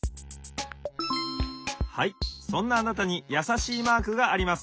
・はいそんなあなたにやさしいマークがあります。